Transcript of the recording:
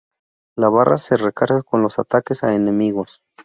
La barra se recarga con los ataques a enemigos.